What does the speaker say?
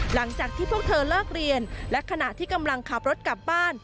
หลังจากที่พวกเธอเลิกเรียนและขณะที่กำลังขับรถกลับบ้าน